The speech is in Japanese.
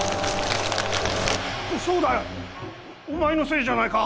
そうだお前のせいじゃないか！